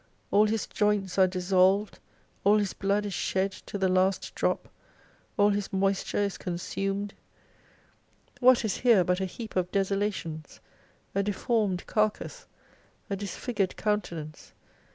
All His joints are dissolved, all His blood is shed, to the last drop, all His moisture is consumed ' What is here but a heap of desolations, a deformed carcase, a disfigured countenance!